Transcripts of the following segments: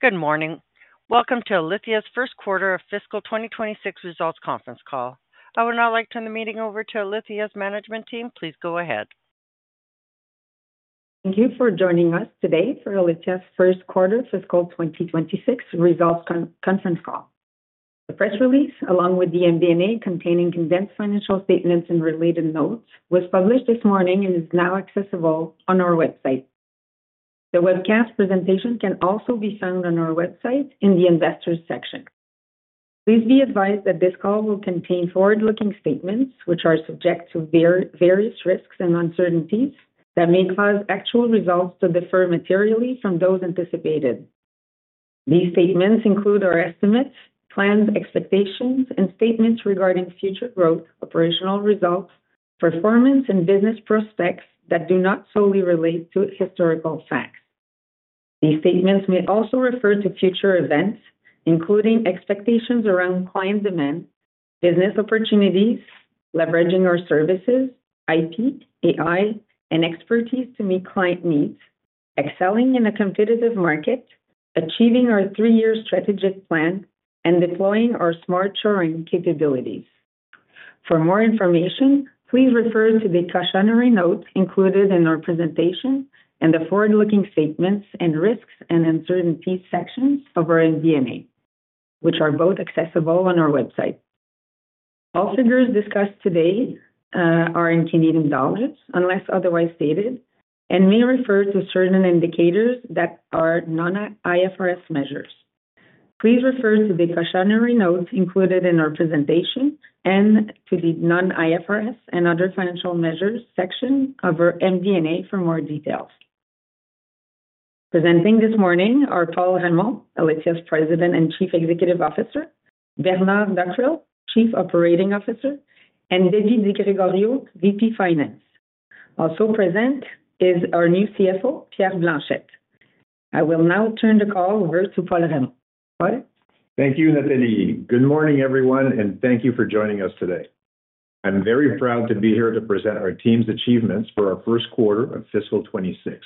Good morning. Welcome to Alithya's First Quarter of Fiscal 2026 Results Conference Call. I would now like to turn the meeting over to Alithya's management team. Please go ahead. Thank you for joining us today for Alithya's First Quarter Fiscal 2026 Results Conference Call. The press release, along with the MD&A containing condensed financial statements and related notes, was published this morning and is now accessible on our website. The webcast presentation can also be found on our website in the Investors section. Please be advised that this call will contain forward-looking statements, which are subject to various risks and uncertainties that may cause actual results to differ materially from those anticipated. These statements include our estimates, plans, expectations, and statements regarding future growth, operational results, performance, and business prospects that do not solely relate to historical facts. These statements may also refer to future events, including expectations around client demand, business opportunities, leveraging our services, IP, AI solutions, and expertise to meet client needs, excelling in a competitive market, achieving our three-year strategic plan, and deploying our smart shoring capabilities. For more information, please refer to the cautionary notes included in our presentation and the forward-looking statements and risks and uncertainties sections of our MD&A, which are both accessible on our website. All figures discussed today are in Canadian dollars, unless otherwise stated, and may refer to certain indicators that are non-IFRS measures. Please refer to the cautionary notes included in our presentation and to the Non-IFRS and Other Financial Measures section of our MD&A for more details. Presenting this morning are Paul Raymond, Alithya's President and Chief Executive Officer, Bernard Dockrill, Chief Operating Officer, and Debbie Di Gregorio, Vice President, Finance. Also present is our new Chief Financial Officer, Pierre Blanchette. I will now turn the call over to Paul Raymond. Paul? Thank you, Nathalie. Good morning, everyone, and thank you for joining us today. I'm very proud to be here to present our team's achievements for our first quarter of fiscal 2026.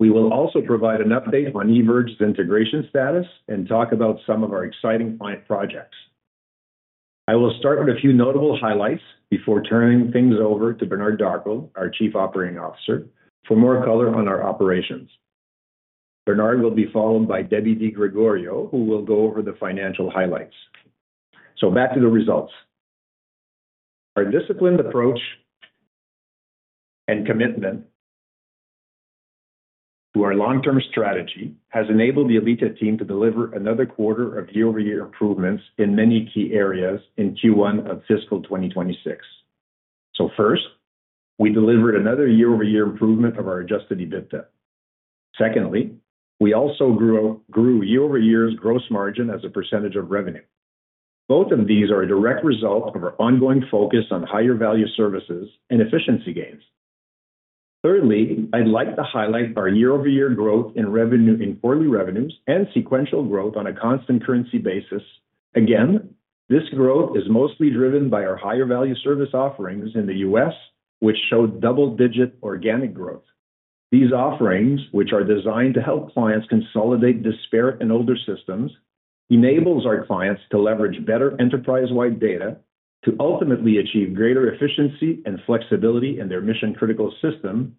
We will also provide an update on eVerge's integration status and talk about some of our exciting client projects. I will start with a few notable highlights before turning things over to Bernard Dockrill, our Chief Operating Officer, for more color on our operations. Bernard will be followed by Debbie Di Gregorio, who will go over the financial highlights. Back to the results. Our disciplined approach and commitment to our long-term strategy has enabled the Alithya team to deliver another quarter of year-over-year improvements in many key areas in Q1 of fiscal 2026. First, we delivered another year-over-year improvement of our adjusted EBITDA. Secondly, we also grew year-over-year's gross margin as a percentage of revenue. Both of these are a direct result of our ongoing focus on higher-value services and efficiency gains. Thirdly, I'd like to highlight our year-over-year growth in quarterly revenues and sequential growth on a constant currency basis. This growth is mostly driven by our higher-value service offerings in the U.S., which show double-digit organic growth. These offerings, which are designed to help clients consolidate disparate and older systems, enable our clients to leverage better enterprise-wide data to ultimately achieve greater efficiency and flexibility in their mission-critical system,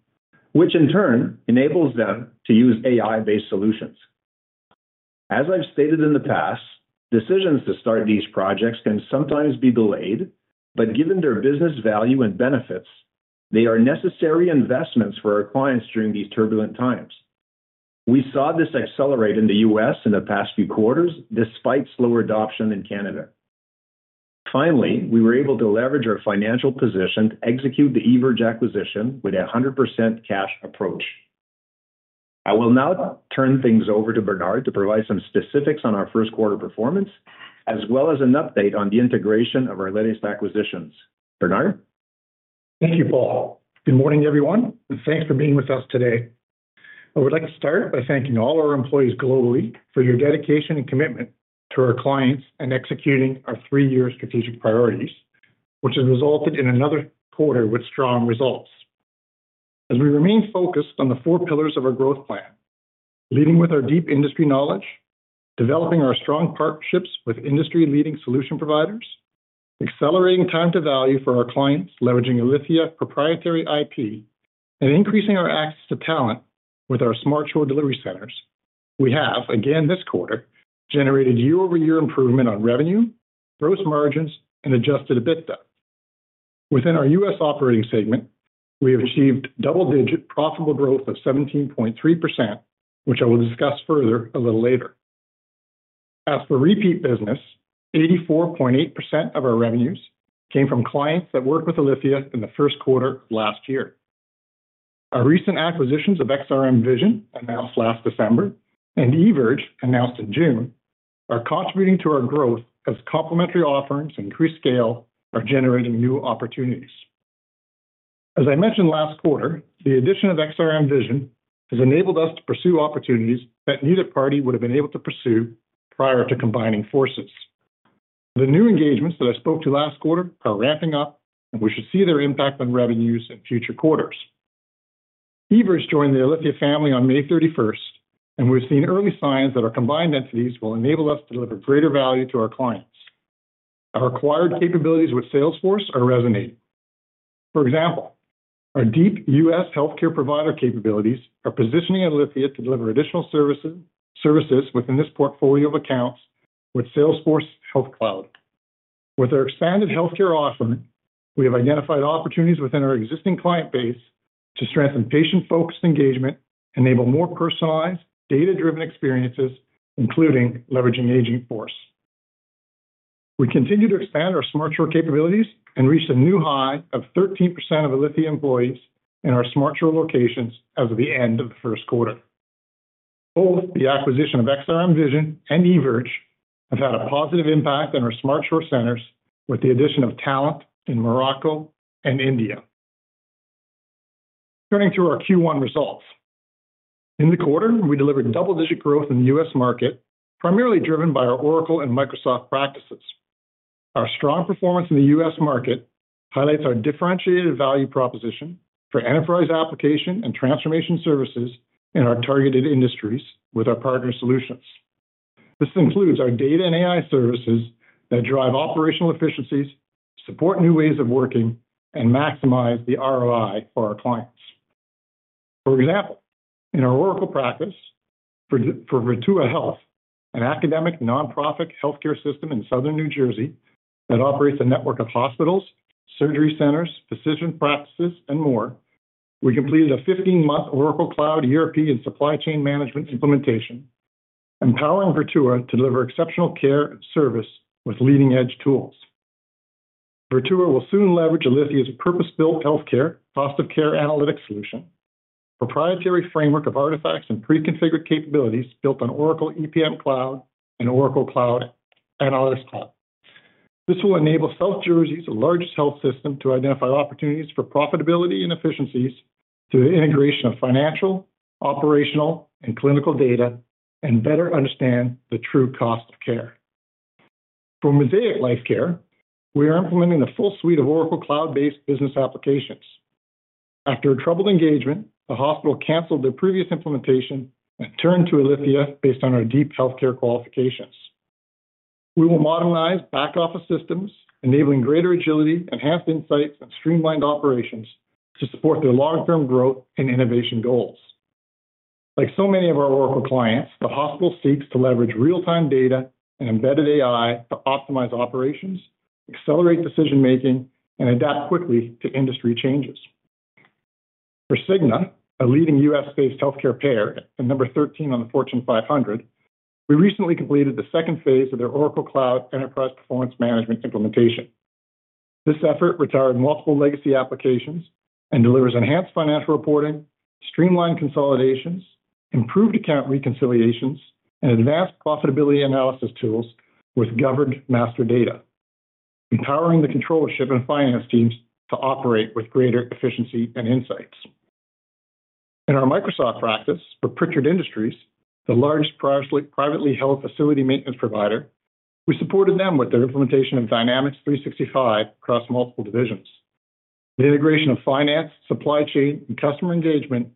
which in turn enables them to use AI solutions. As I've stated in the past, decisions to start these projects can sometimes be delayed, but given their business value and benefits, they are necessary investments for our clients during these turbulent times. We saw this accelerate in the U.S. in the past few quarters, despite slower adoption in Canada. Finally, we were able to leverage our financial position to execute the eVerge acquisition with a 100% cash approach. I will now turn things over to Bernard to provide some specifics on our first quarter performance, as well as an update on the integration of our latest acquisitions. Bernard? Thank you, Paul. Good morning, everyone, and thanks for being with us today. I would like to start by thanking all our employees globally for your dedication and commitment to our clients and executing our three-year strategic priorities, which has resulted in another quarter with strong results. As we remain focused on the four pillars of our growth plan, leading with our deep industry knowledge, developing our strong partnerships with industry-leading solution providers, accelerating time to value for our clients, leveraging Alithya's proprietary IP, and increasing our access to talent with our Smart Churn Delivery Centers, we have, again this quarter, generated year-over-year improvement on revenue, gross margins, and adjusted EBITDA. Within our U.S. operating segment, we have achieved double-digit profitable growth of 17.3%, which I will discuss further a little later. As for repeat business, 84.8% of our revenues came from clients that worked with Alithya in the first quarter last year. Our recent acquisitions of XRM Vision, announced last December, and eVerge announced in June, are contributing to our growth as complementary offerings and increased scale are generating new opportunities. As I mentioned last quarter, the addition of XRM Vision has enabled us to pursue opportunities that neither party would have been able to pursue prior to combining forces. The new engagements that I spoke to last quarter are ramping up, and we should see their impact on revenues in future quarters. eVerge joined the Alithya family on May 31, and we've seen early signs that our combined entities will enable us to deliver greater value to our clients. Our acquired capabilities with Salesforce are resonating. For example, our deep U.S. healthcare provider capabilities are positioning Alithya to deliver additional services within this portfolio of accounts with Salesforce Health Cloud. With our expanded healthcare offering, we have identified opportunities within our existing client base to strengthen patient-focused engagement, enable more personalized, data-driven experiences, including leveraging AgingForce. We continue to expand our Smart Churn capabilities and reach a new high of 13% of Alithya employees in our Smart Churn locations as of the end of the first quarter. Both the acquisition of XRM Vision and eVerge have had a positive impact on our Smart Churn Centers with the addition of talent in Morocco and India. Turning to our Q1 results. In the quarter, we delivered double-digit growth in the U.S. market, primarily driven by our Oracle and Microsoft practices. Our strong performance in the U.S. market highlights our differentiated value proposition for enterprise application and transformation services in our targeted industries with our partner solutions. This includes our data and AI services that drive operational efficiencies, support new ways of working, and maximize the ROI for our clients. For example, in our Oracle practice for Virtua Health, an academic nonprofit healthcare system in Southern New Jersey that operates a network of hospitals, surgery centers, physician practices, and more, we completed a 15-month Oracle Cloud ERP and supply chain management implementation, empowering Virtua to deliver exceptional care and service with leading-edge tools. Virtua will soon leverage Alithya's purpose-built healthcare cost of care analytics solution, a proprietary framework of artifacts and pre-configured capabilities built on Oracle EPM Cloud and Oracle Cloud Analyst Hub. This will enable South Jersey's largest health system to identify opportunities for profitability and efficiencies through the integration of financial, operational, and clinical data and better understand the true cost of care. For Mosaic Life Care, we are implementing the full suite of Oracle Cloud-based business applications. After a troubled engagement, the hospital canceled their previous implementation and turned to Alithya based on our deep healthcare qualifications. We will modernize back-office systems, enabling greater agility, enhanced insights, and streamlined operations to support their long-term growth and innovation goals. Like so many of our Oracle clients, the hospital seeks to leverage real-time data and embedded AI to optimize operations, accelerate decision-making, and adapt quickly to industry changes. For Cigna, a leading US-based healthcare payer and number 13 on the Fortune 500, we recently completed the second phase of their Oracle Cloud Enterprise Performance Management implementation. This effort retired multiple legacy applications and delivers enhanced financial reporting, streamlined consolidations, improved account reconciliations, and advanced profitability analysis tools with governed master data, empowering the controllership and finance teams to operate with greater efficiency and insights. In our Microsoft services practice for Pritchard Industries, the largest privately held facility maintenance provider, we supported them with their implementation of Dynamics 365 across multiple divisions. The integration of finance, supply chain, and customer engagement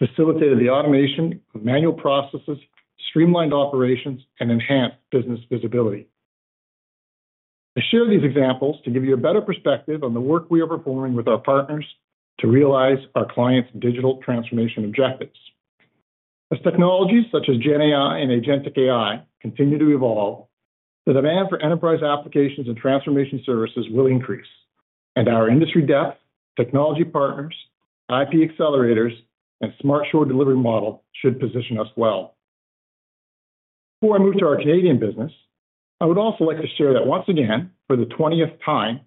facilitated the automation of manual processes, streamlined operations, and enhanced business visibility. I share these examples to give you a better perspective on the work we are performing with our partners to realize our clients' digital transformation objectives. As technologies such as GenAI and Agentic AI continue to evolve, the demand for enterprise application services and transformation services will increase, and our industry depth, technology partners, IP accelerators, and Smart Churn Delivery Centers model should position us well. Before I move to our Canadian business, I would also like to share that once again, for the 20th time,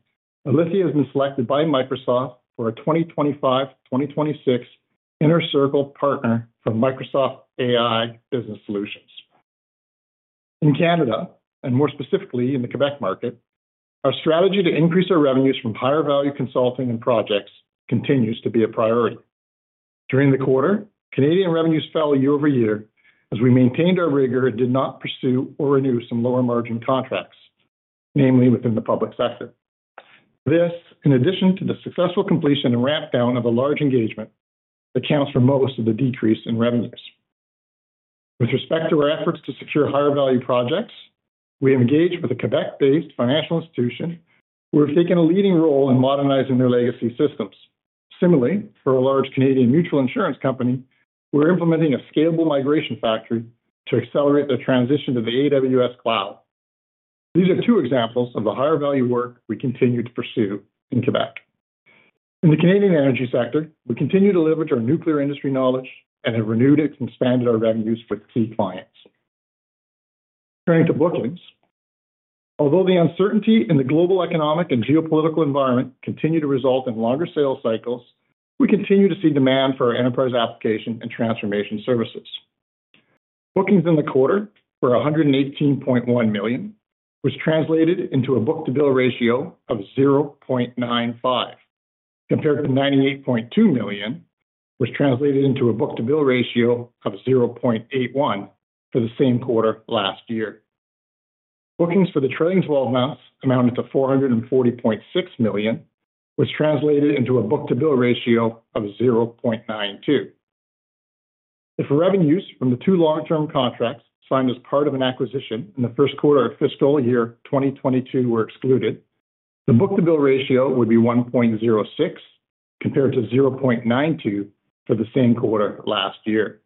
Alithya has been selected by Microsoft for a 2025-2026 Inner Circle Partner for Microsoft AI Business Solutions. In Canada, and more specifically in the Quebec market, our strategy to increase our revenues from higher-value consulting and projects continues to be a priority. During the quarter, Canadian revenues fell year over year as we maintained our rigor and did not pursue or renew some lower margin contracts, namely within the public sector. This, in addition to the successful completion and ramp down of a large engagement, accounts for most of the decrease in revenues. With respect to our efforts to secure higher-value projects, we have engaged with a Quebec-based financial institution who have taken a leading role in modernizing their legacy systems. Similarly, for a large Canadian mutual insurance company, we're implementing a scalable migration factory to accelerate their transition to the AWS Cloud. These are two examples of the higher-value work we continue to pursue in Quebec. In the Canadian energy sector, we continue to leverage our nuclear industry knowledge and have renewed it and expanded our revenues for key clients. Turning to bookings, although the uncertainty in the global economic and geopolitical environment continue to result in longer sales cycles, we continue to see demand for our enterprise application services and transformation services. Bookings in the quarter were 118.1 million, which translated into a book-to-bill ratio of 0.95, compared to 98.2 million, which translated into a book-to-bill ratio of 0.81 for the same quarter last year. Bookings for the trailing 12 months amounted to 440.6 million, which translated into a book-to-bill ratio of 0.92. If revenues from the two long-term contracts signed as part of an acquisition in the first quarter of fiscal year 2022 were excluded, the book-to-bill ratio would be 1.06, compared to 0.92 for the same quarter last year.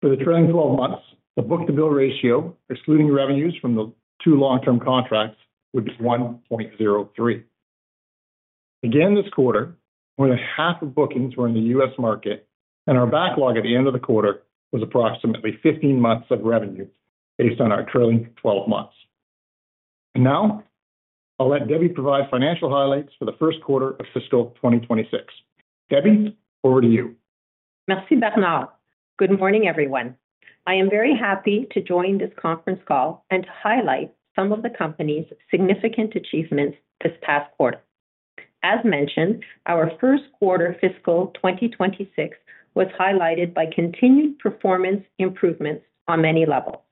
For the trailing 12 months, the book-to-bill ratio, excluding revenues from the two long-term contracts, would be 1.03. This quarter, more than half of bookings were in the U.S. market, and our backlog at the end of the quarter was approximately 15 months of revenue based on our trailing 12 months. Now, I'll let Debbie provide financial highlights for the first quarter of fiscal 2026. Debbie, over to you. Merci, Bernard. Good morning, everyone. I am very happy to join this conference call and to highlight some of the company's significant achievements this past quarter. As mentioned, our first quarter fiscal 2026 was highlighted by continued performance improvements on many levels.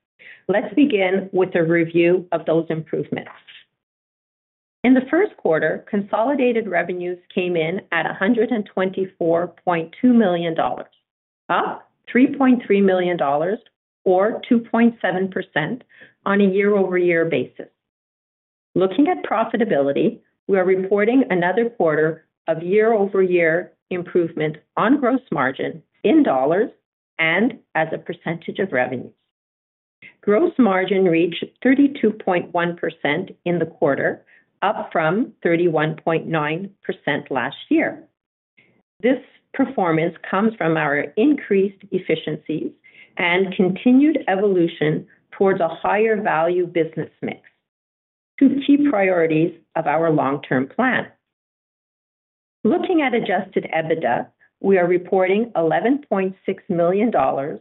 Let's begin with a review of those improvements. In the first quarter, consolidated revenues came in at 124.2 million dollars, up 3.3 million dollars, or 2.7% on a year-over-year basis. Looking at profitability, we are reporting another quarter of year-over-year improvement on gross margin in dollars and as a percentage of revenue. Gross margin reached 32.1% in the quarter, up from 31.9% last year. This performance comes from our increased efficiency and continued evolution towards a higher-value business mix, two key priorities of our long-term plan. Looking at adjusted EBITDA, we are reporting 11.6 million dollars,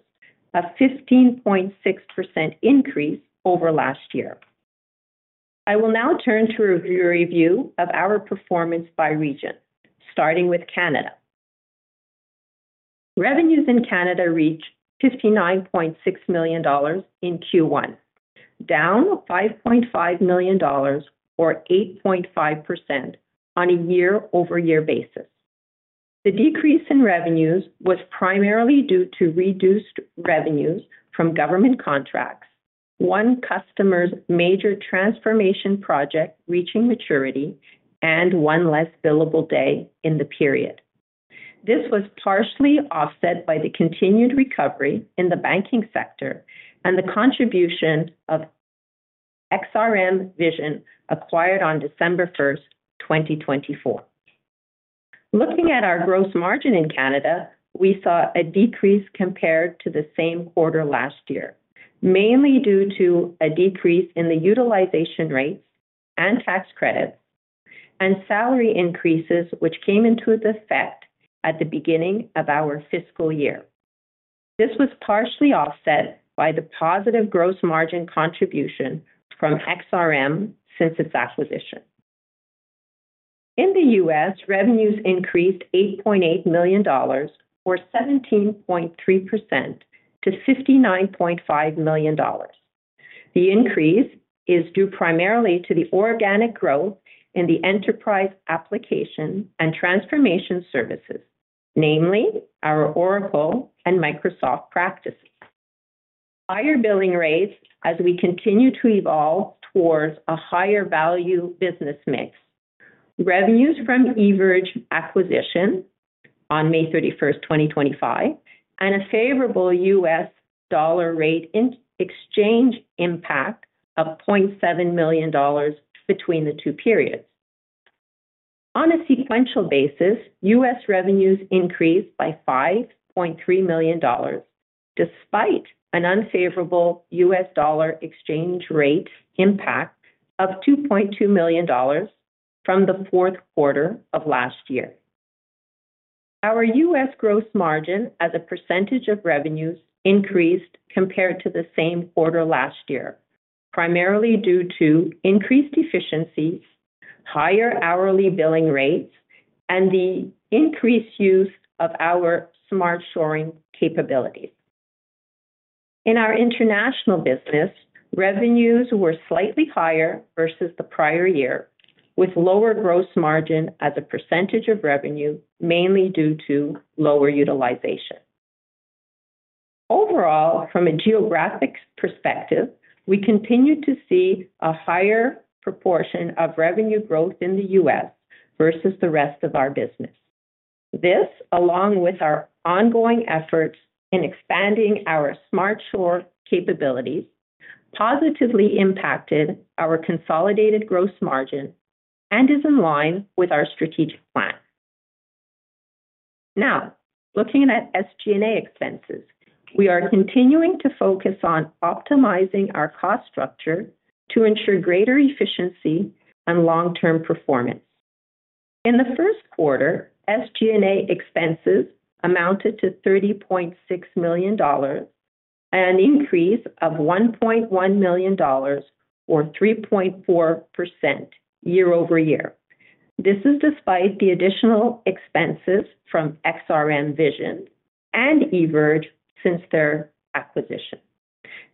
a 15.6% increase over last year. I will now turn to a review of our performance by region, starting with Canada. Revenues in Canada reached 59.6 million dollars in Q1, down 5.5 million dollars, or 8.5% on a year-over-year basis. The decrease in revenues was primarily due to reduced revenues from government contracts, one customer's major transformation project reaching maturity, and one less billable day in the period. This was partially offset by the continued recovery in the banking sector and the contribution of XRM Vision acquired on December 1st 2024. Looking at our gross margin in Canada, we saw a decrease compared to the same quarter last year, mainly due to a decrease in the utilization rate and tax credit and salary increases which came into effect at the beginning of our fiscal year. This was partially offset by the positive gross margin contribution from XRM since its acquisition. In the U.S., revenues increased 8.8 million dollars, or 17.3% to 59.5 million dollars. The increase is due primarily to the organic growth in the enterprise application and transformation services, namely our Oracle and Microsoft practices. Higher billing rates as we continue to evolve towards a higher-value business mix, revenues from eVerge acquisition on May 31, 2025, and a favorable US dollar rate exchange impact of 0.7 million dollars between the two periods. On a sequential basis, U.S. revenues increased by 5.3 million dollars, despite an unfavorable US dollar exchange rate impact of 2.2 million dollars from the fourth quarter of last year. Our U.S. gross margin as a percentage of revenues increased compared to the same quarter last year, primarily due to increased efficiencies, higher hourly billing rates, and the increased use of our smart shoring capabilities. In our international business, revenues were slightly higher versus the prior year, with lower gross margin as a percentage of revenue, mainly due to lower utilization. Overall, from a geographic perspective, we continue to see a higher proportion of revenue growth in the U.S. versus the rest of our business. This, along with our ongoing efforts in expanding our smart shoring capabilities, positively impacted our consolidated gross margin and is in line with our strategic plan. Now, looking at SG&A expenses, we are continuing to focus on optimizing our cost structure to ensure greater efficiency and long-term performance. In the first quarter, SG&A expenses amounted to 30.6 million dollars, an increase of 1.1 million dollars, or 3.4% year-over-year. This is despite the additional expenses from XRM Vision and eVerge since their acquisition.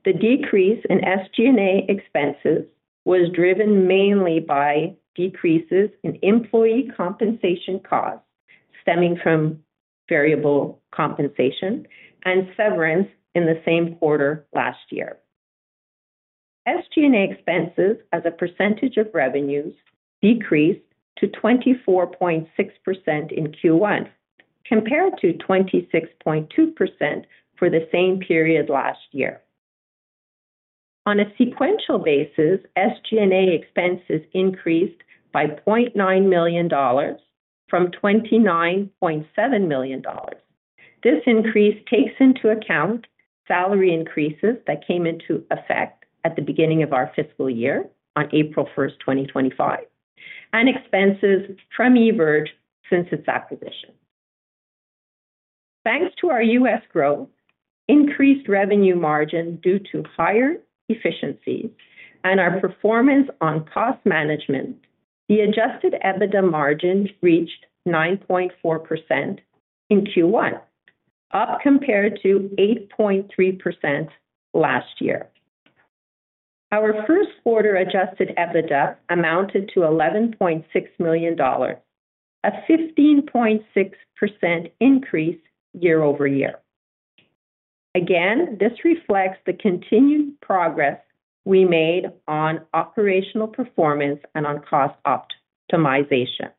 The decrease in SG&A expenses was driven mainly by decreases in employee compensation costs stemming from variable compensation and severance in the same quarter last year. SG&A expenses as a percentage of revenues decreased to 24.6% in Q1, compared to 26.2% for the same period last year. On a sequential basis, SG&A expenses increased by 0.9 million dollars from 29.7 million dollars. This increase takes into account salary increases that came into effect at the beginning of our fiscal year on April 1st 2025, and expenses from eVerge since its acquisition. Thanks to our U.S. growth, increased revenue margin due to higher efficiencies, and our performance on cost management, the adjusted EBITDA margin reached 9.4% in Q1, up compared to 8.3% last year. Our first quarter adjusted EBITDA amounted to 11.6 million dollars, a 15.6% increase year-over-year. Again, this reflects the continued progress we made on operational performance and on cost optimization.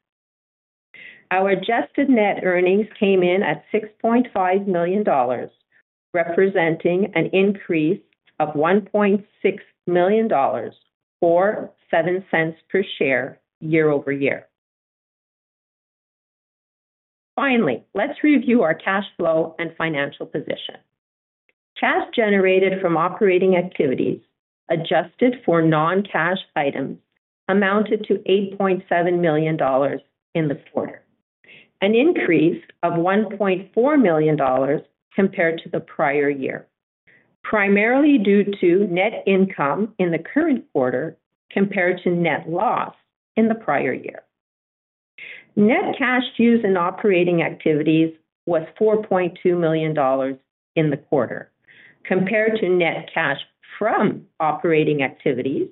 Our adjusted net earnings came in at 6.5 million dollars, representing an increase of 1.6 million dollars, or 0.07 per share year-over-year. Finally, let's review our cash flow and financial position. Cash generated from operating activities adjusted for non-cash items amounted to 8.7 million dollars in the quarter, an increase of 1.4 million dollars compared to the prior year, primarily due to net income in the current quarter compared to net loss in the prior year. Net cash used in operating activities was 4.2 million dollars in the quarter, compared to net cash from operating activities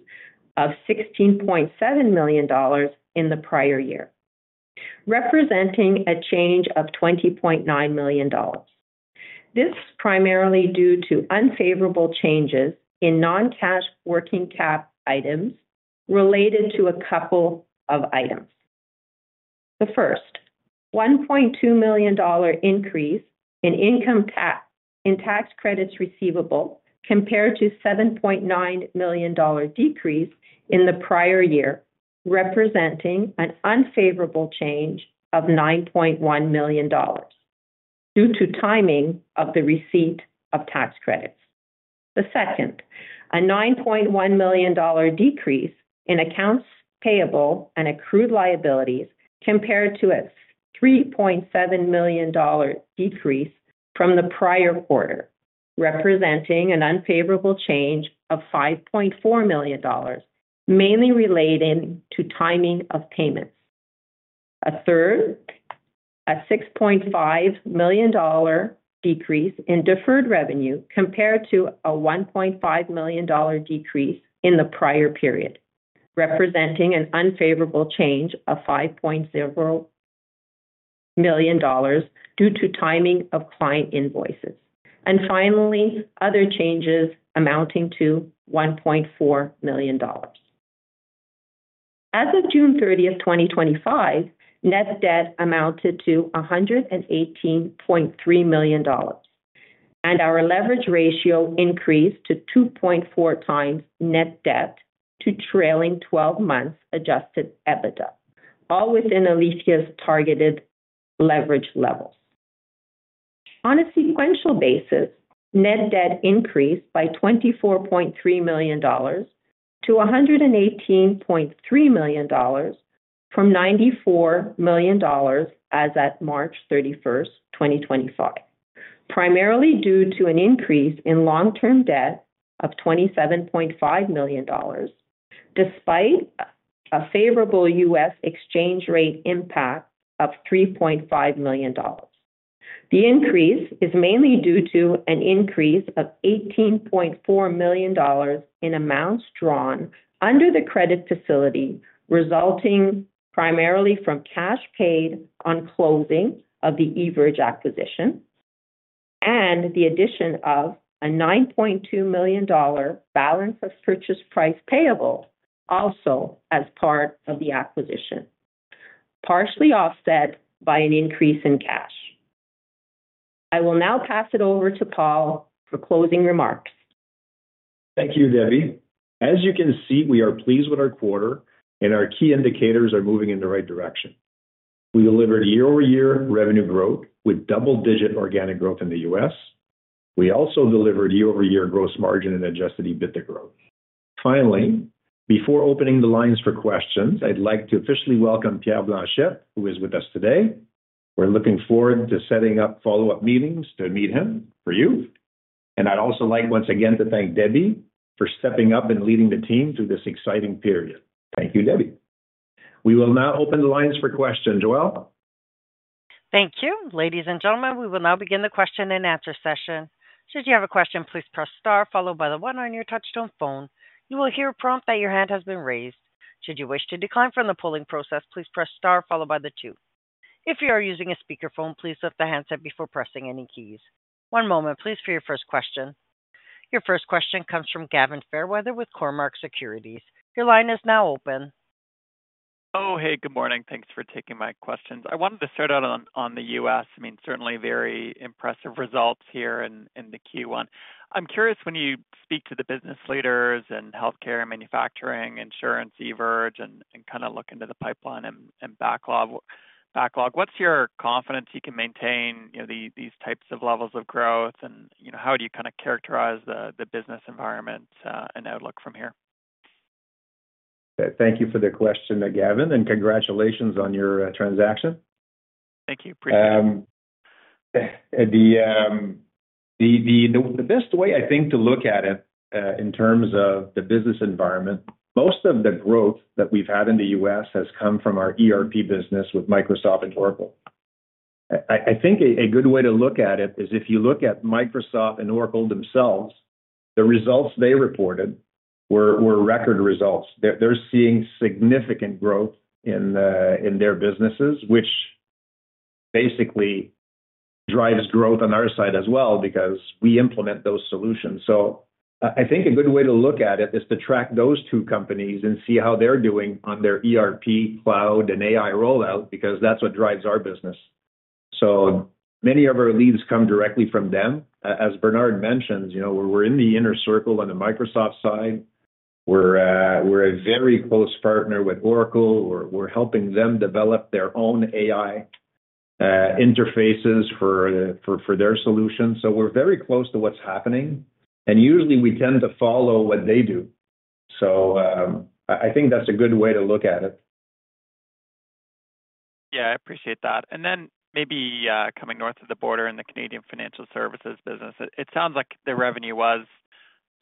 of 16.7 million dollars in the prior year, representing a change of 20.9 million dollars. This is primarily due to unfavorable changes in non-cash working cap items related to a couple of items. The first, 1.2 million dollar increase in income tax and tax credits receivable compared to a 7.9 million dollar decrease in the prior year, representing an unfavorable change of 9.1 million dollars due to timing of the receipt of tax credits. The second, a 9.1 million dollar decrease in accounts payable and accrued liabilities compared to a 3.7 million dollar decrease from the prior quarter, representing an unfavorable change of 5.4 million dollars, mainly related to timing of payments. A third, a 6.5 million dollar decrease in deferred revenue compared to a 1.5 million dollar decrease in the prior period, representing an unfavorable change of 5.0 million dollars due to timing of client invoices. Finally, other changes amounting to 1.4 million dollars. As of June 30th 2025, net debt amounted to 118.3 million dollars, and our leverage ratio increased to 2.4x net debt to trailing 12 months adjusted EBITDA, all within Alithya's targeted leverage levels. On a sequential basis, net debt increased by 24.3 million dollars to 118.3 million dollars from 94 million dollars as at March 31st 2025, primarily due to an increase in long-term debt of 27.5 million dollars, despite a favorable U.S. exchange rate impact of 3.5 million dollars. The increase is mainly due to an increase of 18.4 million dollars in amounts drawn under the credit facility, resulting primarily from cash paid on closing of the eVerge acquisition and the addition of a 9.2 million dollar balance of purchase price payable, also as part of the acquisition, partially offset by an increase in cash. I will now pass it over to Paul for closing remarks. Thank you, Debbie. As you can see, we are pleased with our quarter, and our key indicators are moving in the right direction. We delivered year-over-year revenue growth with double-digit organic growth in the U.S. We also delivered year-over-year gross margin and adjusted EBITDA growth. Finally, before opening the lines for questions, I'd like to officially welcome Pierre Blanchette, who is with us today. We're looking forward to setting up follow-up meetings to meet him for you. I'd also like once again to thank Debbie for stepping up and leading the team through this exciting period. Thank you, Debbie. We will now open the lines for questions. Joelle? Thank you. Ladies and gentlemen, we will now begin the question and answer session. Should you have a question, please press star followed by the one on your touch-tone phone. You will hear a prompt that your hand has been raised. Should you wish to decline from the polling process, please press star followed by the two. If you are using a speakerphone, please lift the handset before pressing any keys. One moment, please, for your first question. Your first question comes from Gavin Fairweather with Cormark Securities. Your line is now open. Oh, hey, good morning. Thanks for taking my questions. I wanted to start out on the U.S. I mean, certainly very impressive results here in the Q1. I'm curious, when you speak to the business leaders in healthcare, manufacturing, insurance, eVerge, and kind of look into the pipeline and backlog, what's your confidence you can maintain these types of levels of growth? How do you kind of characterize the business environment and outlook from here? Thank you for the question, Gavin, and congratulations on your transaction. Thank you. The best way, I think, to look at it in terms of the business environment, most of the growth that we've had in the U.S. has come from our ERP business with Microsoft and Oracle. I think a good way to look at it is if you look at Microsoft and Oracle themselves, the results they reported were record results. They're seeing significant growth in their businesses, which basically drives growth on our side as well because we implement those solutions. I think a good way to look at it is to track those two companies and see how they're doing on their ERP, cloud, and AI rollout because that's what drives our business. Many of our leads come directly from them. As Bernard mentioned, you know we're in the inner circle on the Microsoft side. We're a very close partner with Oracle. We're helping them develop their own AI interfaces for their solutions. We're very close to what's happening. Usually, we tend to follow what they do. I think that's a good way to look at it. I appreciate that. Maybe coming north of the border in the Canadian financial services business, it sounds like the revenue was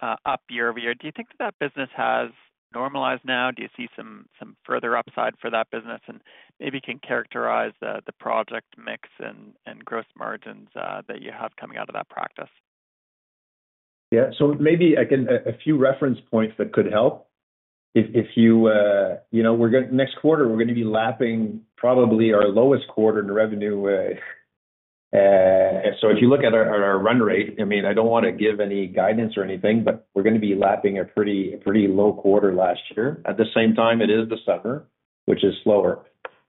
up year-over-year. Do you think that that business has normalized now? Do you see some further upside for that business? Maybe you can characterize the project mix and gross margins that you have coming out of that practice. Yeah, so maybe I can give a few reference points that could help. If you know next quarter, we're going to be lapping probably our lowest quarter in revenue. If you look at our run rate, I mean, I don't want to give any guidance or anything, but we're going to be lapping a pretty low quarter last year. At the same time, it is the summer, which is slower,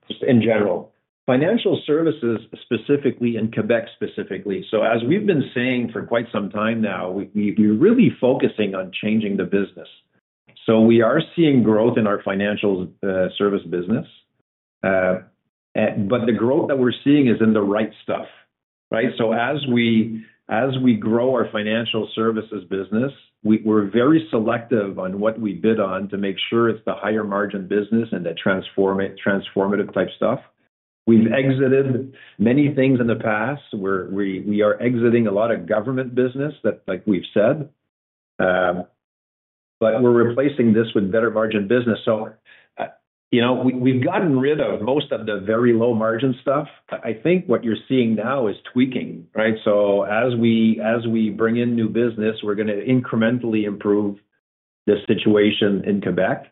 just in general. Financial services specifically in Quebec specifically. As we've been saying for quite some time now, we're really focusing on changing the business. We are seeing growth in our financial services business, but the growth that we're seeing is in the right stuff. Right? As we grow our financial services business, we're very selective on what we bid on to make sure it's the higher margin business and the transformative type stuff. We've exited many things in the past. We are exiting a lot of government business, like we've said, but we're replacing this with better margin business. We've gotten rid of most of the very low margin stuff. I think what you're seeing now is tweaking. Right? As we bring in new business, we're going to incrementally improve the situation in Quebec.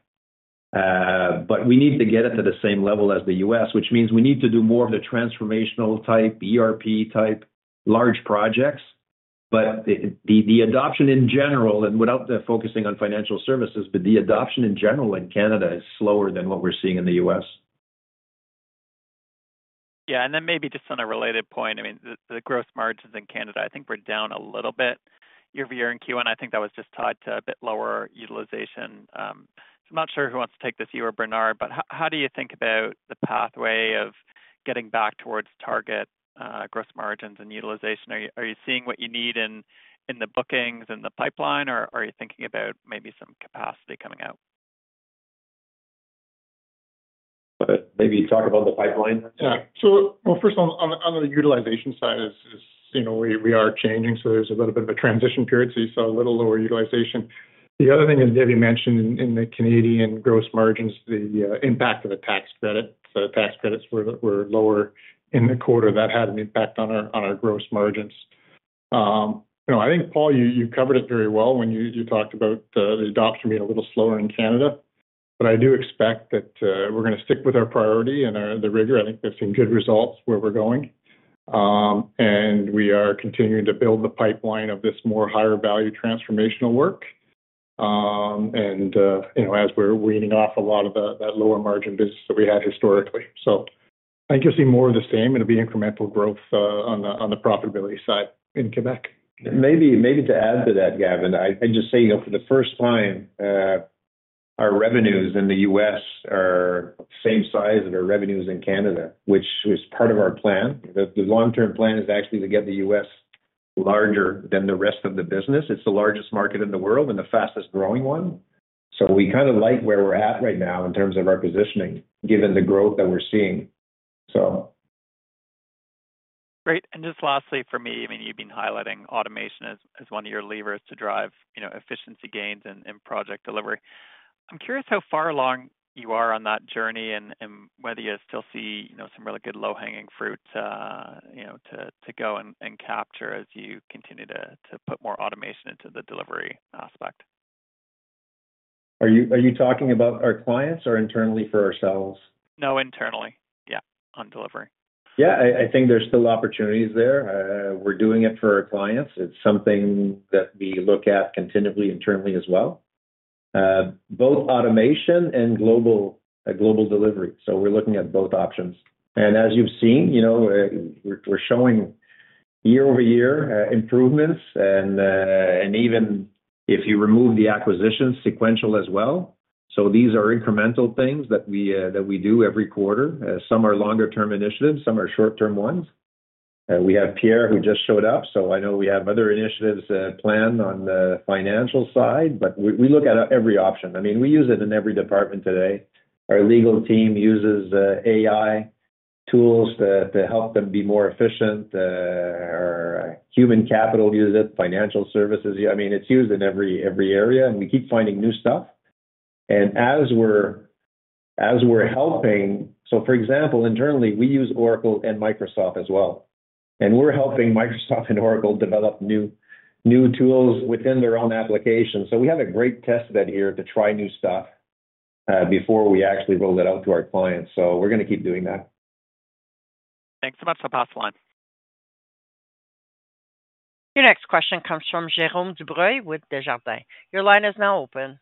We need to get it to the same level as the U.S., which means we need to do more of the transformational type, ERP type, large projects. The adoption in general, and without focusing on financial services, but the adoption in general in Canada is slower than what we're seeing in the U.S. Yeah, and then maybe just on a related point, I mean, the gross margins in Canada, I think we're down a little bit year-over-year in Q1. I think that was just tied to a bit lower utilization. I'm not sure who wants to take this, you or Bernard, but how do you think about the pathway of getting back towards target gross margins and utilization? Are you seeing what you need in the bookings and the pipeline, or are you thinking about maybe some capacity coming out? Maybe you talk about the pipeline. Yeah, sure. First, on the utilization side, we are changing, so there's a little bit of a transition period. You saw a little lower utilization. The other thing is Debbie mentioned in the Canadian gross margins the impact of a tax credit. Tax credits were lower in the quarter, and that had an impact on our gross margins. I think, Paul, you covered it very well when you talked about the adoption being a little slower in Canada. I do expect that we're going to stick with our priority and the rigor. I think we've seen good results where we're going. We are continuing to build the pipeline of this more higher-value transformational work as we're weaning off a lot of that lower margin business that we had historically. I think you'll see more of the same. It'll be incremental growth on the profitability side in Quebec. Maybe to add to that, Gavin, I'm just saying for the first time, our revenues in the U.S. are the same size as our revenues in Canada, which was part of our plan. The long-term plan is actually to get the U.S. larger than the rest of the business. It's the largest market in the world and the fastest growing one. We kind of like where we're at right now in terms of our positioning, given the growth that we're seeing. Great. Just lastly for me, you've been highlighting automation as one of your levers to drive efficiency gains in project delivery. I'm curious how far along you are on that journey and whether you still see some really good low-hanging fruit to go and capture as you continue to put more automation into the delivery aspect. Are you talking about our clients or internally for ourselves? No, internally, yeah, on delivery. Yeah, I think there's still opportunities there. We're doing it for our clients. It's something that we look at continually internally as well, both automation and global delivery. We're looking at both options. As you've seen, you know we're showing year-over-year improvements. Even if you remove the acquisitions, sequential as well. These are incremental things that we do every quarter. Some are longer-term initiatives, some are short-term ones. We have Pierre, who just showed up. I know we have other initiatives planned on the financial side, but we look at every option. I mean, we use it in every department today. Our legal team uses AI tools to help them be more efficient. Our human capital uses it, financial services. I mean, it's used in every area, and we keep finding new stuff. As we're helping, for example, internally, we use Oracle and Microsoft as well. We're helping Microsoft and Oracle develop new tools within their own applications. We have a great test bed here to try new stuff before we actually roll it out to our clients. We're going to keep doing that. Thanks so much for the last line. Your next question comes from Jérome Dubreuil with Desjardins. Your line is now open.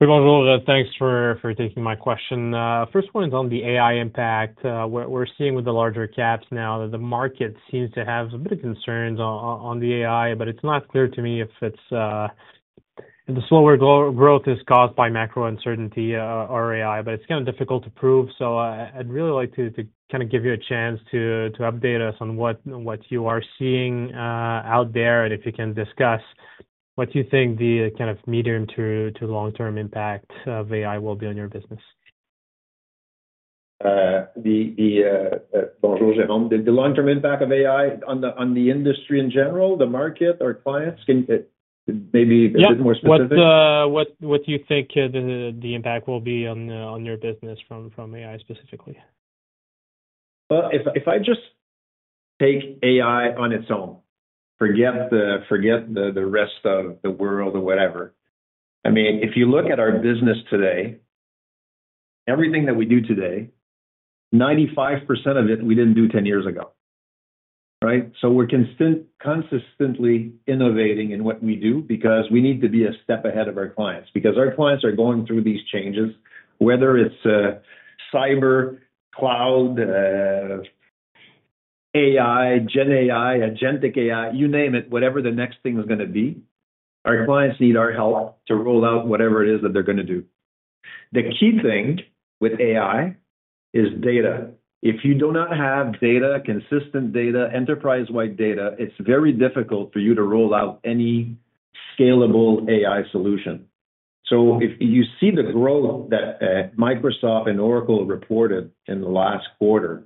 Pretty well rolled out. Thanks for taking my question. First one is on the AI impact. We're seeing with the larger caps now that the market seems to have a bit of concerns on the AI, but it's not clear to me if the slower growth is caused by macro uncertainty or AI. It's kind of difficult to prove. I'd really like to give you a chance to update us on what you are seeing out there and if you can discuss what you think the kind of medium to long-term impact of AI will be on your business. Bonjour, Jérome. The long-term impact of AI on the industry in general, the market, our clients, can you maybe be a bit more specific? What do you think the impact will be on your business from AI specifically? If I just take AI on its own, forget the rest of the world or whatever. I mean, if you look at our business today, everything that we do today, 95% of it we didn't do 10 years ago. Right? We're consistently innovating in what we do because we need to be a step ahead of our clients because our clients are going through these changes, whether it's cyber, cloud, AI, GenAI, Agentic AI, you name it, whatever the next thing is going to be. Our clients need our help to roll out whatever it is that they're going to do. The key thing with AI is data. If you do not have data, consistent data, enterprise-wide data, it's very difficult for you to roll out any scalable AI solution. If you see the growth that Microsoft and Oracle reported in the last quarter,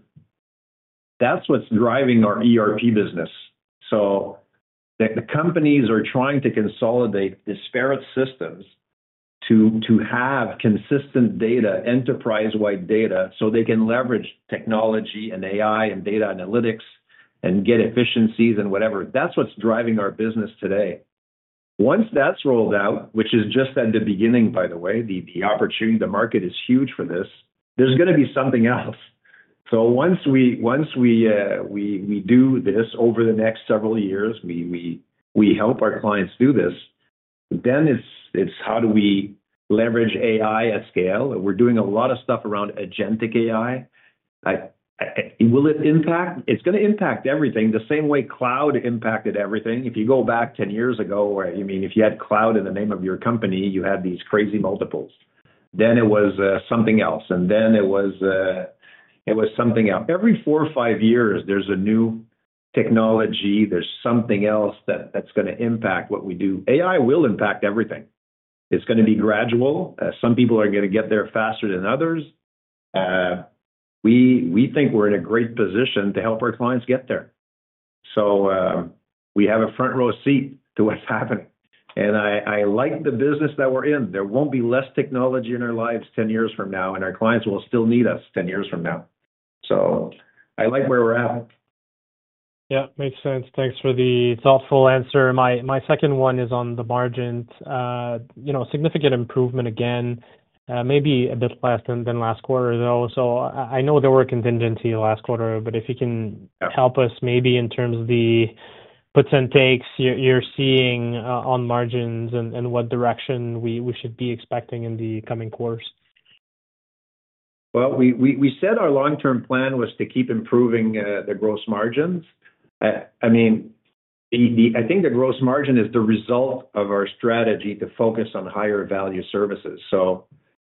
that's what's driving our ERP business. The companies are trying to consolidate disparate systems to have consistent data, enterprise-wide data, so they can leverage technology and AI and data analytics and get efficiencies and whatever. That's what's driving our business today. Once that's rolled out, which is just at the beginning, by the way, the opportunity, the market is huge for this, there's going to be something else. Once we do this over the next several years, we help our clients do this, then it's how do we leverage AI at scale? We're doing a lot of stuff around Agentic AI. Will it impact? It's going to impact everything the same way cloud impacted everything. If you go back 10 years ago, I mean, if you had cloud in the name of your company, you had these crazy multiples. It was something else. And then it was something else. Every four or five years, there's a new technology. There's something else that's going to impact what we do. AI will impact everything. It's going to be gradual. Some people are going to get there faster than others. We think we're in a great position to help our clients get there. We have a front row seat to what's happening. I like the business that we're in. There won't be less technology in our lives 10 years from now, and our clients will still need us 10 years from now. I like where we're at. Yeah, makes sense. Thanks for the thoughtful answer. My second one is on the margins. Significant improvement again, maybe a bit less than last quarter, though. I know there were contingencies last quarter, but if you can help us maybe in terms of the puts and takes you're seeing on margins and what direction we should be expecting in the coming quarters. Our long-term plan was to keep improving the gross margins. I think the gross margin is the result of our strategy to focus on higher-value services.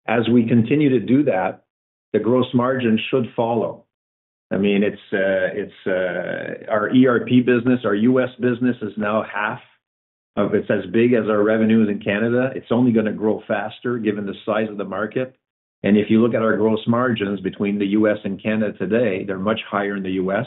As we continue to do that, the gross margin should follow. Our ERP business, our U.S. business is now half of it's as big as our revenues in Canada. It's only going to grow faster given the size of the market. If you look at our gross margins between the U.S. and Canada today, they're much higher in the U.S.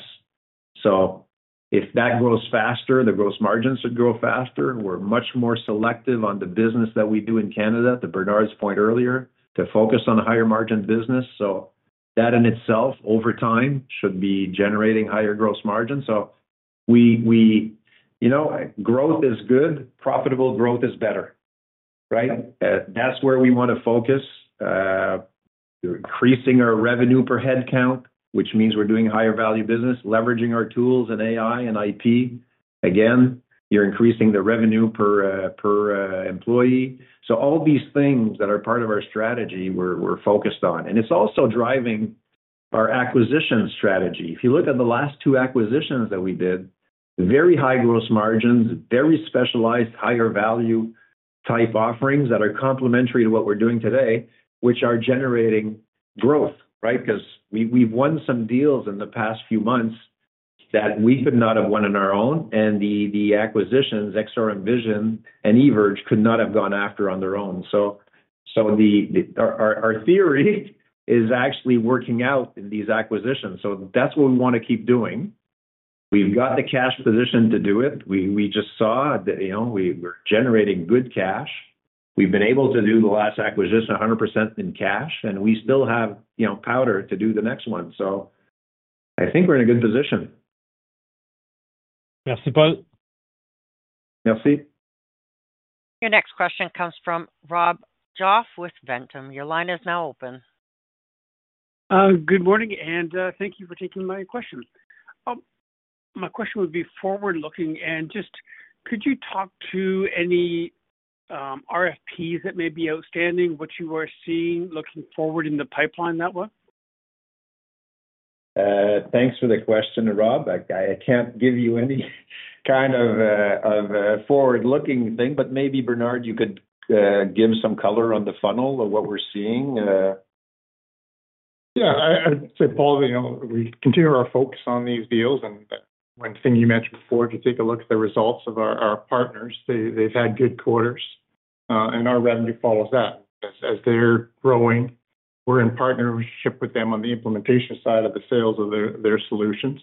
If that grows faster, the gross margins should grow faster. We're much more selective on the business that we do in Canada, to Bernard's point earlier, to focus on the higher margin business. That in itself, over time, should be generating higher gross margins. Growth is good. Profitable growth is better. Right? That's where we want to focus. Increasing our revenue per head count, which means we're doing higher-value business, leveraging our tools and AI and IP. Again, you're increasing the revenue per employee. All these things that are part of our strategy, we're focused on. It's also driving our acquisition strategy. If you look at the last two acquisitions that we did, very high gross margins, very specialized, higher-value type offerings that are complementary to what we're doing today, which are generating growth. Right? We've won some deals in the past few months that we could not have won on our own. The acquisitions, XRM Vision and eVerge could not have gone after on their own. Our theory is actually working out in these acquisitions. That's what we want to keep doing. We've got the cash position to do it. We just saw that we're generating good cash. We've been able to do the last acquisition 100% in cash, and we still have powder to do the next one. I think we're in a good position. Merci, Paul. Merci. Your next question comes from Robert Goff with Ventum Financial Corp. Your line is now open. Good morning, and thank you for taking my question. My question would be forward-looking, and just could you talk to any RFPs that may be outstanding, what you are seeing looking forward in the pipeline network? Thanks for the question, Rob. I can't give you any kind of forward-looking thing, but maybe, Bernard, you could give some color on the funnel of what we're seeing. Yeah, I'd say, Paul, you know we continue our focus on these deals. One thing you mentioned before, if you take a look at the results of our partners, they've had good quarters, and our revenue follows that. As they're growing, we're in partnership with them on the implementation side of the sales of their solutions.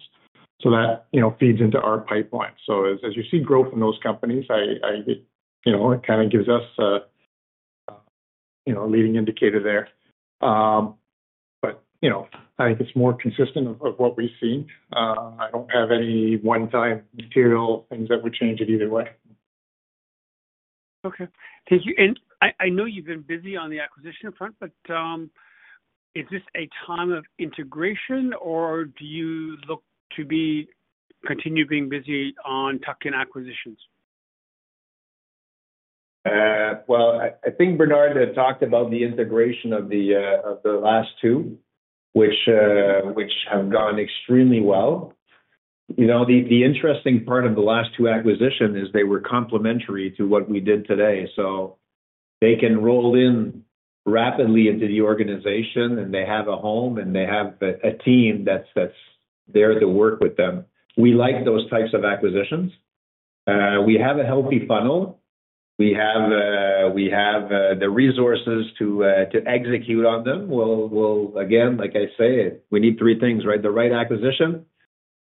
That feeds into our pipeline. As you see growth in those companies, I think it kind of gives us a leading indicator there. I think it's more consistent with what we've seen. I don't have any one-time material things that would change it either way. Thank you. I know you've been busy on the acquisition front. Is this a time of integration, or do you look to continue being busy on tuck-in acquisitions? I think Bernard had talked about the integration of the last two, which have gone extremely well. The interesting part of the last two acquisitions is they were complementary to what we did today. They can roll in rapidly into the organization, and they have a home, and they have a team that's there to work with them. We like those types of acquisitions. We have a healthy funnel. We have the resources to execute on them. Like I say, we need three things, right? The right acquisition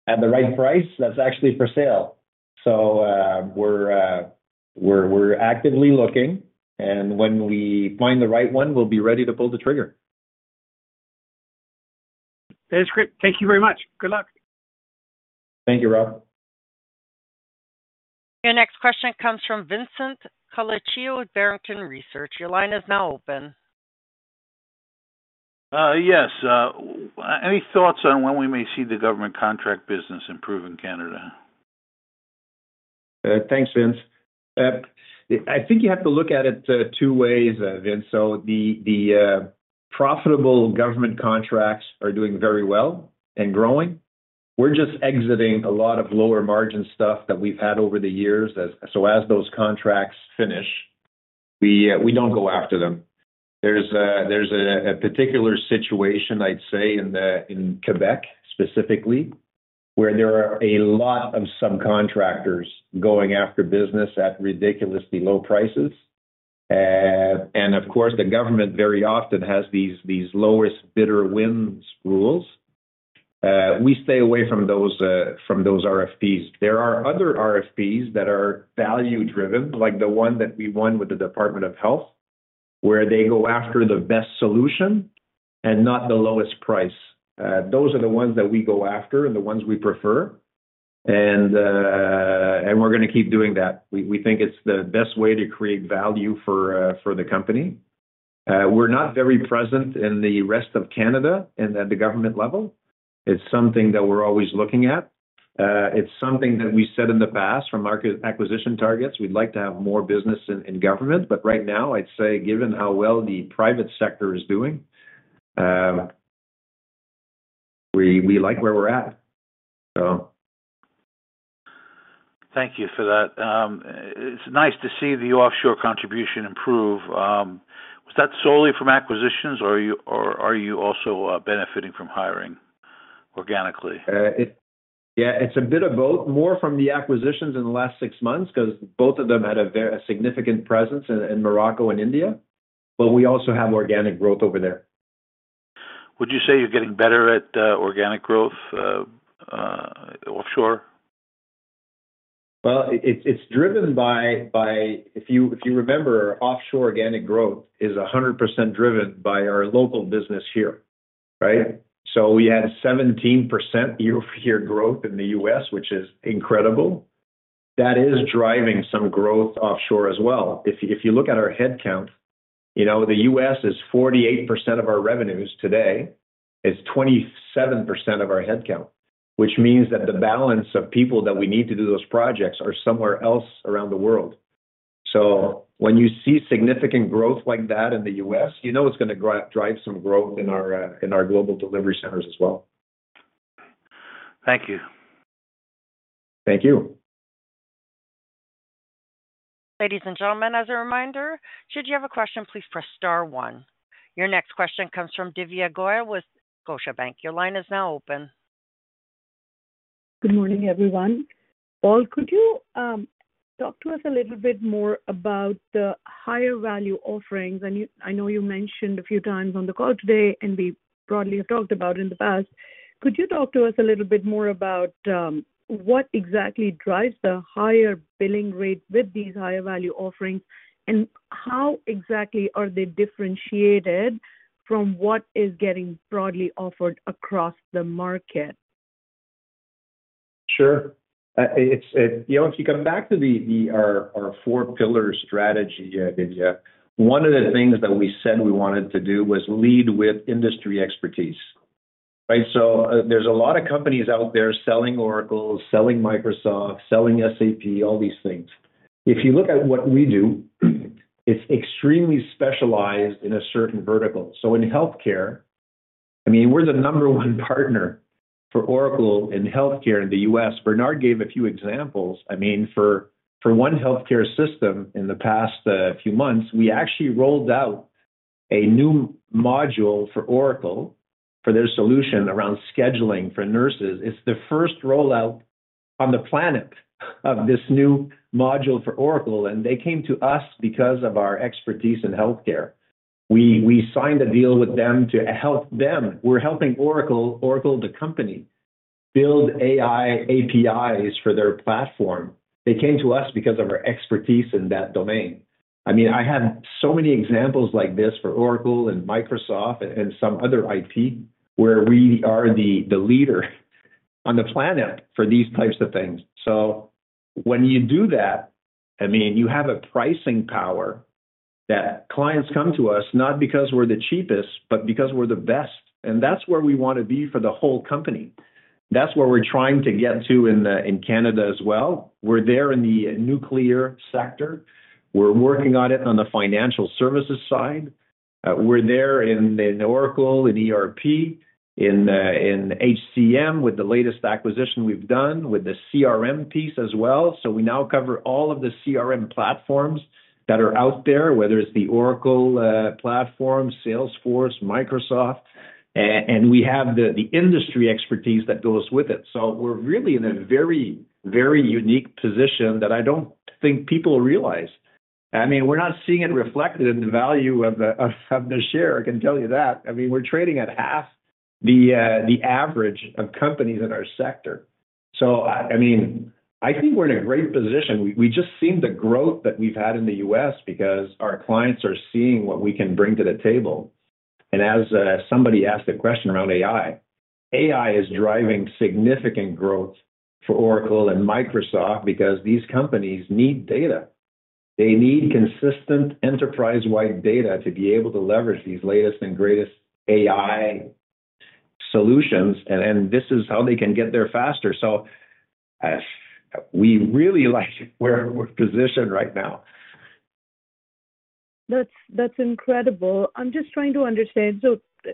at the right price that's actually for sale. We're actively looking, and when we find the right one, we'll be ready to pull the trigger. That's great. Thank you very much. Good luck. Thank you, Rob. Your next question comes from Vincent Colicchio with Barrington Research. Your line is now open. Yes. Any thoughts on when we may see the government contract business improve in Canada? Thanks, Vince. I think you have to look at it two ways, Vince. The profitable government contracts are doing very well and growing. We're just exiting a lot of lower margin stuff that we've had over the years. As those contracts finish, we don't go after them. There's a particular situation, I'd say, in Quebec specifically, where there are a lot of subcontractors going after business at ridiculously low prices. Of course, the government very often has these lowest bidder wins rules. We stay away from those RFPs. There are other RFPs that are value-driven, like the one that we won with the Department of Health, where they go after the best solution and not the lowest price. Those are the ones that we go after and the ones we prefer. We're going to keep doing that. We think it's the best way to create value for the company. We're not very present in the rest of Canada at the government level. It's something that we're always looking at. It's something that we said in the past from market acquisition targets. We'd like to have more business in government. Right now, I'd say, given how well the private sector is doing, we like where we're at. Thank you for that. It's nice to see the offshore contribution improve. Was that solely from acquisitions, or are you also benefiting from hiring organically? Yeah, it's a bit of both, more from the acquisitions in the last six months because both of them had a significant presence in Morocco and India. We also have organic growth over there. Would you say you're getting better at organic growth offshore? It's driven by, if you remember, offshore organic growth is 100% driven by our local business here. Right? We had 17% year-over-year growth in the U.S., which is incredible. That is driving some growth offshore as well. If you look at our headcount, the U.S. is 48% of our revenues today. It's 27% of our headcount, which means that the balance of people that we need to do those projects are somewhere else around the world. When you see significant growth like that in the U.S., you know it's going to drive some growth in our global delivery centers as well. Thank you. Thank you. Ladies and gentlemen, as a reminder, should you have a question, please press star one. Your next question comes from Divya Goyal with Scotiabank Bank. Your line is now open. Good morning, everyone. Paul, could you talk to us a little bit more about the higher-value offerings? I know you mentioned a few times on the call today and we broadly have talked about in the past. Could you talk to us a little bit more about what exactly drives the higher billing rate with these higher-value offerings and how exactly are they differentiated from what is getting broadly offered across the market? Sure. If you come back to our four-pillar strategy, Divya, one of the things that we said we wanted to do was lead with industry expertise. Right? There are a lot of companies out there selling Oracle, selling Microsoft, selling SAP, all these things. If you look at what we do, it's extremely specialized in a certain vertical. In healthcare, we're the number one partner for Oracle in healthcare in the U.S. Bernard gave a few examples. For one healthcare system in the past few months, we actually rolled out a new module for Oracle for their solution around scheduling for nurses. It's the first rollout on the planet of this new module for Oracle. They came to us because of our expertise in healthcare. We signed a deal with them to help them. We're helping Oracle, the company, build AI APIs for their platform. They came to us because of our expertise in that domain. I have so many examples like this for Oracle and Microsoft and some other IT where we are the leader on the planet for these types of things. When you do that, you have a pricing power that clients come to us not because we're the cheapest, but because we're the best. That's where we want to be for the whole company. That's where we're trying to get to in Canada as well. We're there in the nuclear sector. We're working on it on the financial services side. We're there in Oracle, in ERP, in HCM with the latest acquisition we've done with the CRM piece as well. We now cover all of the CRM platforms that are out there, whether it's the Oracle platform, Salesforce, Microsoft. We have the industry expertise that goes with it. We're really in a very, very unique position that I don't think people realize. We're not seeing it reflected in the value of the share. I can tell you that. We're trading at half the average of companies in our sector. I think we're in a great position. We just see the growth that we've had in the U.S. because our clients are seeing what we can bring to the table. As somebody asked a question around AI, AI is driving significant growth for Oracle and Microsoft because these companies need data. They need consistent enterprise-wide data to be able to leverage these latest and greatest AI solutions. This is how they can get there faster. We really like where we're positioned right now. That's incredible. I'm just trying to understand.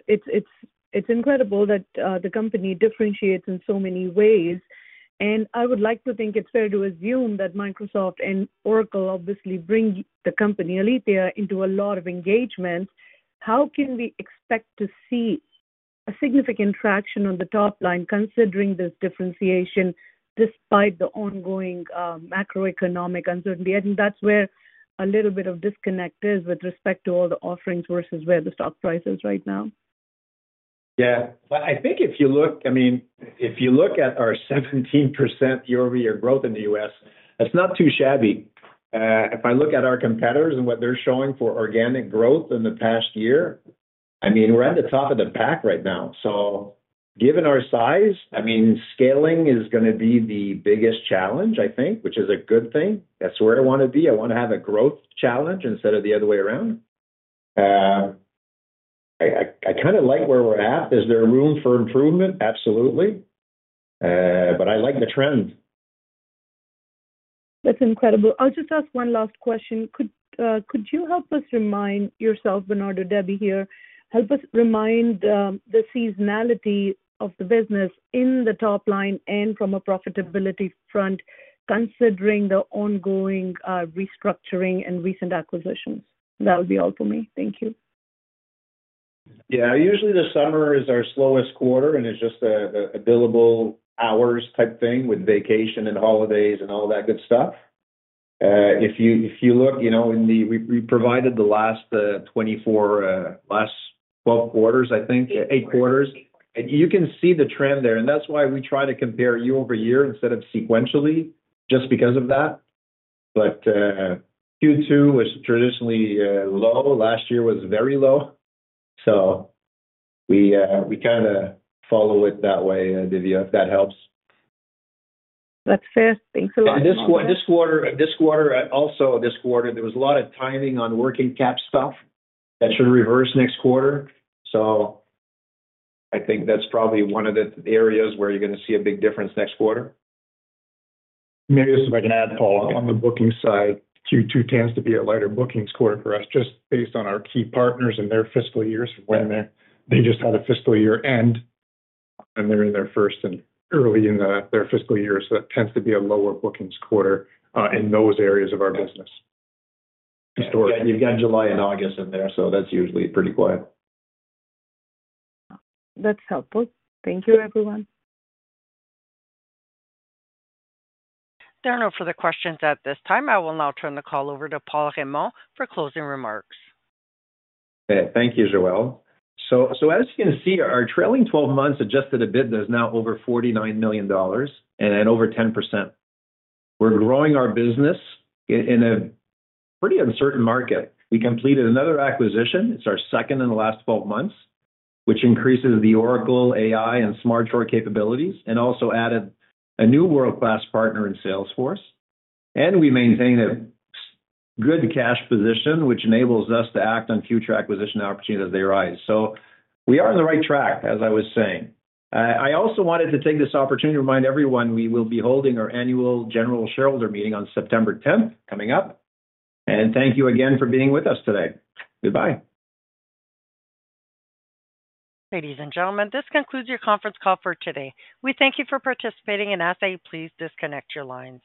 It's incredible that the company differentiates in so many ways. I would like to think it's fair to assume that Microsoft and Oracle obviously bring the company Alithya into a lot of engagement. How can we expect to see significant traction on the top line considering this differentiation despite the ongoing macroeconomic uncertainty? I think that's where a little bit of disconnect is with respect to all the offerings versus where the stock price is right now. Yeah, I think if you look, I mean, if you look at our 17% year-over-year growth in the U.S., that's not too shabby. If I look at our competitors and what they're showing for organic growth in the past year, I mean, we're at the top of the pack right now. Given our size, I mean, scaling is going to be the biggest challenge, I think, which is a good thing. That's where I want to be. I want to have a growth challenge instead of the other way around. I kind of like where we're at. Is there room for improvement? Absolutely. I like the trend. That's incredible. I'll just ask one last question. Could you help us remind yourself, Bernard or Debbie here, help us remind the seasonality of the business in the top line and from a profitability front, considering the ongoing restructuring and recent acquisitions? That would be all for me. Thank you. Yeah, usually the summer is our slowest quarter, and it's just a billable hours type thing with vacation and holidays and all that good stuff. If you look, you know, we provided the last 24, last 12 quarters, I think, eight quarters. You can see the trend there. That's why we try to compare year-over-year instead of sequentially, just because of that. Q2 was traditionally low. Last year was very low. We kind of follow it that way, Divya, if that helps. That's fair. Thanks a lot. This quarter, there was a lot of timing on working cap stuff that should reverse next quarter. I think that's probably one of the areas where you're going to see a big difference next quarter. Maybe just if I can add, Paul, on the booking side, Q2 tends to be a lighter bookings quarter for us, just based on our key partners and their fiscal years from when they just had a fiscal year end. They're in their first and early in their fiscal year, so that tends to be a lower bookings quarter in those areas of our business. Yeah, you've got July and August in there, so that's usually pretty quiet. That's helpful. Thank you, everyone. There are no further questions at this time. I will now turn the call over to Paul Raymond for closing remarks. Thank you, Joelle. As you can see, our trailing 12 months adjusted EBITDA is now over 49 million dollars and over 10%. We're growing our business in a pretty uncertain market. We completed another acquisition. It's our second in the last 12 months, which increases the Oracle, AI, and smart shoring capabilities and also added a new world-class partner in Salesforce. We maintain a good cash position, which enables us to act on future acquisition opportunities as they arise. We are on the right track, as I was saying. I also wanted to take this opportunity to remind everyone we will be holding our annual general shareholder meeting on September 10th coming up. Thank you again for being with us today. Goodbye. Ladies and gentlemen, this concludes your conference call for today. We thank you for participating, and as I say, please disconnect your lines.